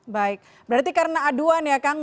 baik berarti karena aduan ya kang